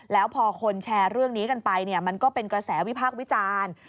แล้วพอคนแชร์เรื่องนี้กันไปมันก็เป็นกระแสวิพากษ์วิจารณ์